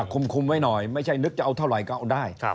คุมไว้หน่อยไม่ใช่นึกจะเอาเท่าไหร่ก็เอาได้